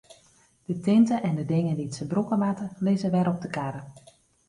De tinte en de dingen dy't se brûke moatte, lizze wer op de karre.